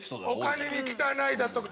お金に汚いだとか。